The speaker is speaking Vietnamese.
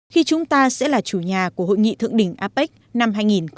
khi chúng ta sẽ là chủ nhà của hội nghị thượng đỉnh apec năm hai nghìn một mươi bảy